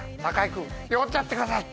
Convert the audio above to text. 君呼んじゃってください！